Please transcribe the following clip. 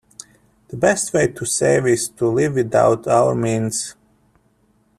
The best way to save is to live without our means.